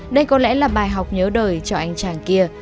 đây có lẽ là bài học nhớ đời cho anh tràng kia